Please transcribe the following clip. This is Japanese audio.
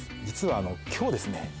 実は今日ですね